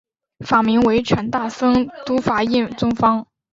法名为权大僧都法印宗方。